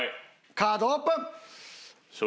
カードオープン！